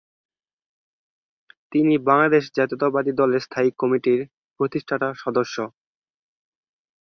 তিনি বাংলাদেশ জাতীয়তাবাদী দলের স্থায়ী কমিটির প্রতিষ্ঠাতা সদস্য।